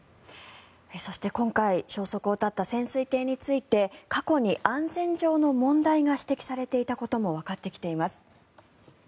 そして、今回消息を絶った潜水艇について過去に安全上の問題が指摘されていたこともわかってきています。